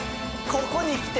ここに来て？